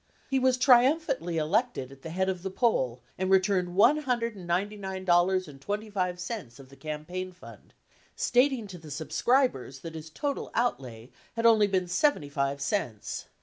He was triumphantly elected at the head of the poll, and returned one hundred and ninety nine dollars and twenty five cents of the campaign fund, stating to the sub scribers that his total outlay had been only sev enty five cents.